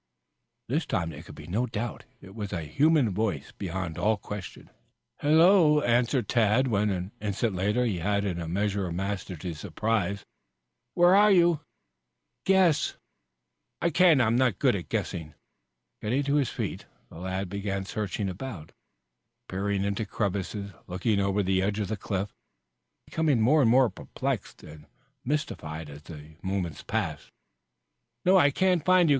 This time there could be no doubt. It was a human voice beyond all question. "Hello," answered Tad, when, an instant later, he had in a measure mastered his surprise. "Where are you?" "Guess." "I can't. I am not a good hand at guessing." Getting to his feet the lad began searching about, peering into crevices, looking over the edge of the cliff, becoming more and more perplexed and mystified as the moments passed. "No, I can't find you.